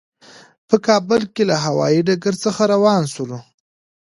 د کابل له هوایي ډګر څخه روان شولو.